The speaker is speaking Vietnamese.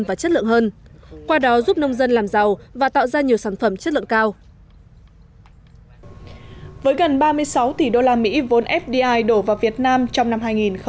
với gần ba mươi sáu tỷ đô la mỹ vốn fdi đổ vào việt nam trong năm hai nghìn một mươi bảy